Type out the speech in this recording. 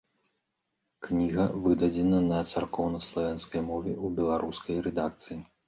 Кніга выдадзена на царкоўна-славянскай мове ў беларускай рэдакцыі.